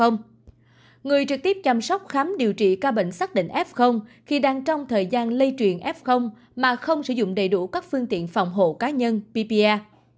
người trực tiếp chăm sóc khám điều trị ca bệnh xác định f khi đang trong thời gian lây truyền f mà không sử dụng đầy đủ các phương tiện phòng hộ cá nhân ppr